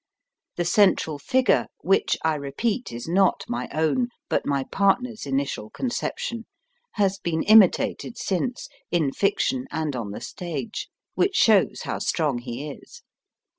The central figure, which, I repeat, is not my own, but my partner s initial conception, has been imitated since in fiction and on the stage which shows how strong he is.